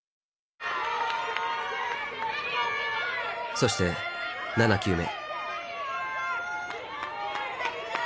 そして７球目。